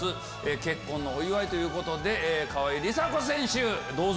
結婚のお祝いということで川井梨紗子選手どうぞ。